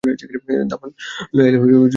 দামান লইয়া আইলে বন্ধু।